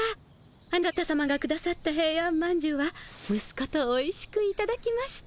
あなたさまがくださったヘイアンまんじゅうはむすことおいしくいただきました。